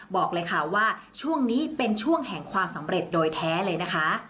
บอกเลยค่ะว่าช่วงนี้เป็นช่วงแห่งความสำเร็จโดยแท้เลยนะคะ